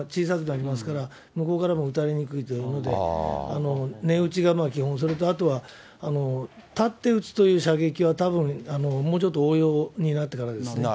一番安定してるのと、こちらの姿勢も小さくなりますから、向こうからも撃たれにくいというので、寝撃ちが基本、それとあとは、立って撃つという射撃は、多分もうちょっと応用になってからですね。